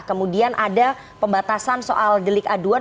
kemudian ada pembatasan soal delik aduan